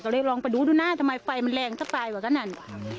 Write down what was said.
ก็เลยลงไปดูดูนะทำไมไฟมันแรงเฉพาะคนนั้น